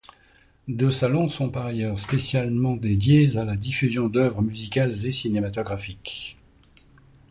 Deux salons sont par ailleurs spécialement dédiés à la diffusion d’œuvres musicales et cinématographiques.